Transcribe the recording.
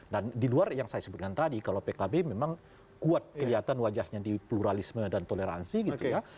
dan di luar yang saya sebutkan tadi kalau pkb memang kuat kelihatan wajahnya di pluralisme dan toleransi gitu ya